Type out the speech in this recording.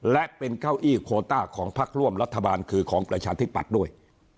และเป็นเก้าอี้โคต้าของพักร่วมรัฐบาลคือของประชาธิปัตย์ด้วย